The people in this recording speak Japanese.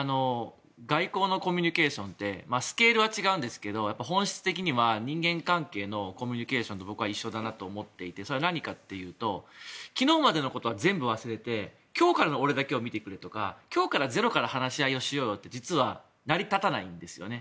外交のコミュニケーションってスケールは違うんですけど本質的には人間関係のコミュニケーションと僕は一緒だなと思っていてそれは何かというと昨日までのことは全部忘れて今日からの俺を見てくれとか今日からゼロから話し合いをしようって実は成り立たないんですよね。